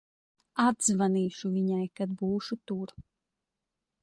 Atzvanīšu viņai, kad būšu tur.